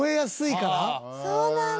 そうなんだ。